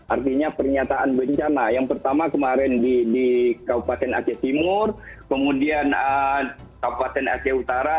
artinya pernyataan bencana yang pertama kemarin di kabupaten aceh timur kemudian kabupaten aceh utara